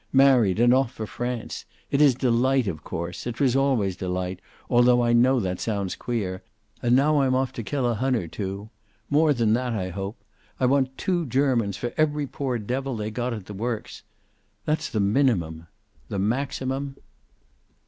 "Married and off for France. It is Delight, of course. It always was Delight, altho I know that sounds queer. And now I'm off to kill a Hun or two. More than that, I hope. I want two Germans for every poor devil they got at the works. That's the minimum. The maximum